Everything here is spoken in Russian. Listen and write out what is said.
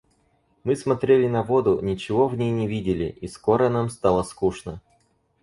Мы смотрели на воду, ничего в ней не видели, и скоро нам стало скучно.